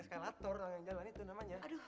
eskalator tenaga jalan itu namanya